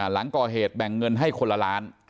หลังก่อเหตุแบ่งเงินให้คนละล้าน